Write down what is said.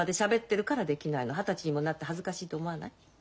二十歳にもなって恥ずかしいと思わない？